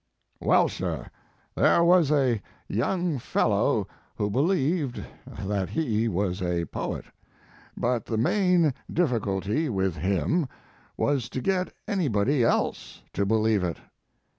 "Well, sir, there was a young fellow Mark Twain who believed that he was a poet; but the main difficulty with him was to get any body else to believe it.